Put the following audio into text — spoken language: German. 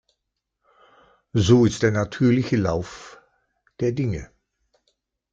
So ist der natürliche Lauf der Dinge.